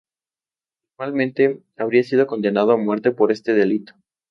Normalmente, habría sido condenado a muerte por este delito.